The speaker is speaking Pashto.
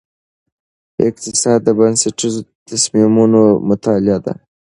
اقتصاد د بنسټیزو تصمیمونو مطالعه ده.